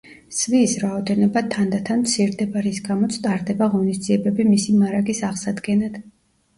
სვიის რაოდენობა თანდათან მცირდება, რის გამოც ტარდება ღონისძიებები მისი მარაგის აღსადგენად.